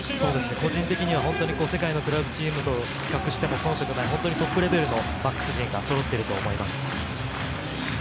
個人的には世界のクラブチームとマッチアップしても遜色ない、トップレベルのバックス陣がそろっていると思います。